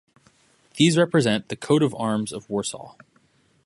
These represent the coat of arms of Warsaw.